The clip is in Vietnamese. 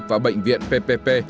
và bệnh viện ppp